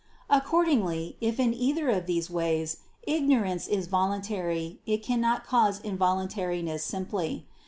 Accordingly, if in either of these ways, ignorance is voluntary, it cannot cause involuntariness simply.